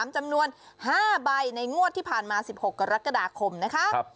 จำนวน๕ใบในงวดที่ผ่านมา๑๖กรกฎาคมนะคะ